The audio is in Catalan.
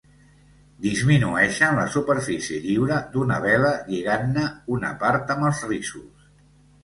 Disminueixen la superfície lliure d'una vela lligant-ne una part amb els rissos.